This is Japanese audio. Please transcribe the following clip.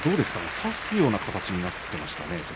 差すような形になっていましたか。